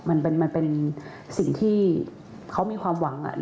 มันเป็นสิ่งที่เขามีความหวัง